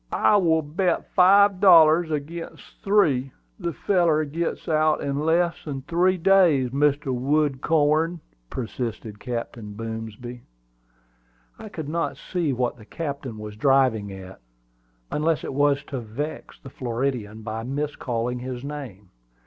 "I will bet five dollars agin three the feller gits out in less than three days, Mr. Woodcorn," persisted Captain Boomsby. I could not see what the captain was driving at, unless it was to vex the Floridian by miscalling his name.